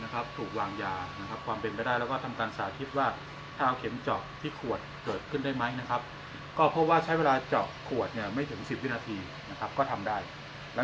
ถูกวางยานะครับความเป็นไปได้แล้วก็ทำการสาธิตว่าเอาเข็มเจาะที่ขวดเกิดขึ้นได้ไหมนะครับก็เพราะว่าใช้เวลาเจาะขวดเนี่ยไม่ถึง๑๐วินาทีนะครับก็ทำได้แล้ว